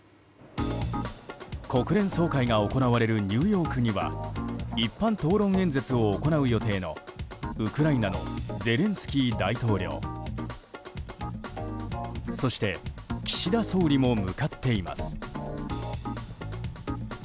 国連総会が行われるニューヨークには一般討論演説を行う予定のウクライナのゼレンスキー大統領そして、岸田総理も向かっています。